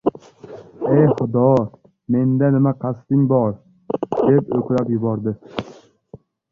– Ey Xudo, menda nima qasding bor!? – deb oʻkrab yubordi.